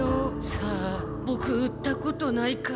さあボク売ったことないから。